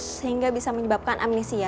sehingga bisa menyebabkan amnesia